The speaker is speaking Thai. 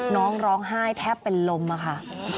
ร้องไห้แทบเป็นลมอะค่ะ